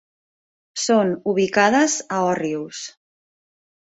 Són ubicades a Òrrius.